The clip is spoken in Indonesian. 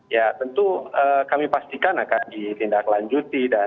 ya tentu kami pastikan akan ditindaklanjuti dan ditemukan